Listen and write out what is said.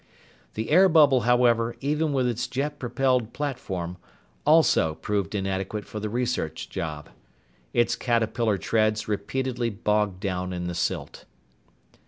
The air bubble, however, even with its jet propelled platform, also proved inadequate for the research job. Its caterpillar treads repeatedly bogged down in the silt.